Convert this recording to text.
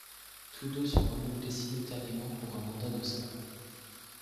Toutes deux sont renouvelées simultanément pour un mandat de cinq ans.